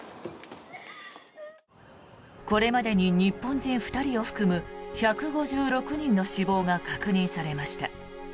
これまでに日本人２人を含む１５６人の死亡が確認されました。